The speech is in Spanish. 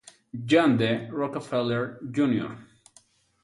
John D. Rockefeller Jr.